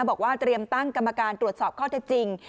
บอกว่าเตรียมตั้งกรรมการตรวจสอบข้อเท็จจริง